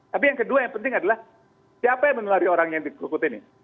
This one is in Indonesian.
tapi yang kedua yang penting adalah siapa yang menulari orang yang dikukut ini